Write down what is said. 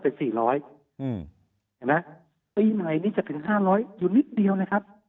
ปีใหม่จะถึง๕๐๐อยู่นิดเดียวนะครับ